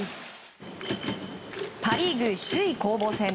パ・リーグ首位攻防戦。